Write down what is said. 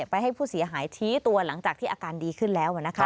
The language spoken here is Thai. ให้ผู้เสียหายชี้ตัวหลังจากที่อาการดีขึ้นแล้ว